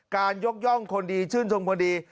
การยกย่องคนดีชื่นชมคนดี